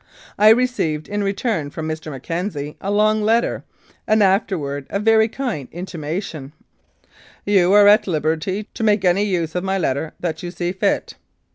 I received in return from Mr. McKenzie a long letter, and afterwards a very kind intimation, "You are at liberty to make any use of my letter that you see fit."